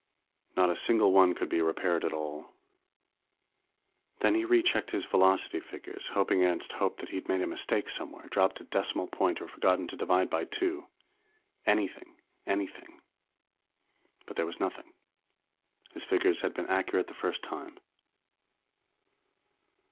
Not a single one could be repaired at all. Then he rechecked his velocity figures, hoping against hope that he'd made a mistake somewhere, dropped a decimal point or forgotten to divide by two. Anything. Anything! But there was nothing. His figures had been accurate the first time.